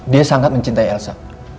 dia sangat mencintai elsa